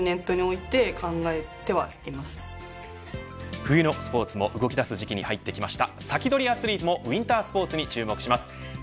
冬のスポーツも動きだす時期になってきました。